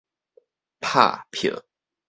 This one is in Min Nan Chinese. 拍票